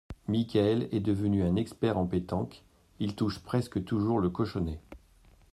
Michaël est devenu un expert en pétanque, il touche presque toujours le cochonnet.